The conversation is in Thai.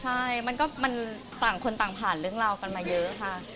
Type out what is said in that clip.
ใช่มันก็มันต่างคนต่างผ่านเรื่องราวกันมาเยอะค่ะ